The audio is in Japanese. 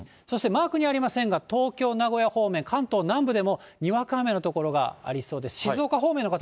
そしてマークにはありませんが、東京、名古屋方面、関東南部でもにわか雨の所がありそうです。